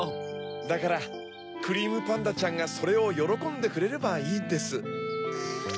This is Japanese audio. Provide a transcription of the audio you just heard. だからクリームパンダちゃんがそれをよろこんでくれればいいんです。